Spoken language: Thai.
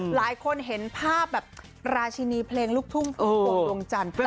หลายคนเห็นภาพแบบราชินีเพลงลูกทุ่งพุ่มพวงดวงจันทร์